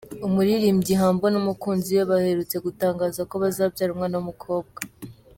Umuririmbyi Humble n’umukunzi we baherutse gutangaza ko bazabyara umwana w’umukobwa.